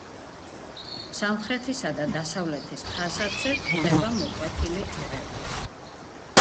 სამხრეთისა და დასავლეთის ფასადზე გვხვდება მოკვეთილი ჯვრები.